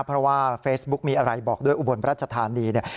เพราะว่าเฟซบุ๊กมีอะไรบอกด้วยอุบลราชธานีเนี่ย